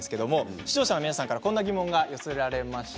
視聴者の皆さんからこんな疑問が寄せられました。